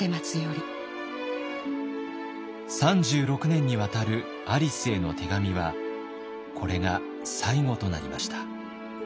３６年にわたるアリスへの手紙はこれが最後となりました。